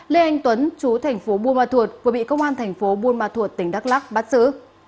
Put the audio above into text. lê anh tuấn chú thành phố buôn ma thuột vừa bị công an thành phố buôn ma thuột tỉnh đắk lắc bắt giữ